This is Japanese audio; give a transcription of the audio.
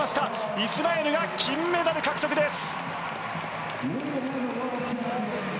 イスラエルが金メダル獲得です。